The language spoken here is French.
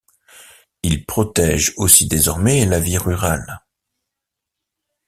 Ils protègent aussi désormais la vie rurale.